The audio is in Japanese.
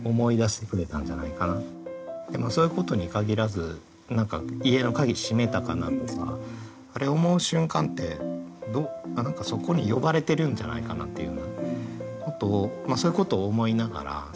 でもそういうことに限らず何か「家の鍵閉めたかな」とかあれ思う瞬間って何かそこに呼ばれてるんじゃないかなっていうようなことをそういうことを思いながら。